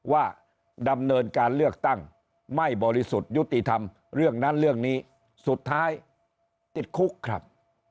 ว่าดำเนินการเลือกตั้งไม่บริสุทธิ์ยุติธรรมเรื่องนั้นเรื่องนี้สุดท้ายติดคุกครับ